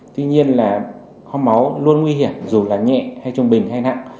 tuy nhiên là kho máu luôn nguy hiểm dù là nhẹ hay trung bình hay nặng